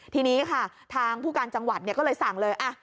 ทีนี้ค่ะทางผู้การจังหวัดก็เลยสั่งเลย